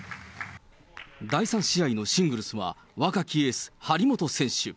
第３試合のシングルスは、若きエース、張本選手。